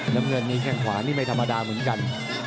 น้ำเงินนี่แค่งขวานี่ไม่ธรรมดาเหมือนกัน